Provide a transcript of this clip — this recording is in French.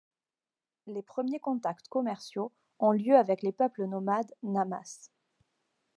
Les premiers contacts commerciaux ont lieu avec les peuples nomades namas.